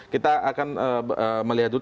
kita akan melihat dulu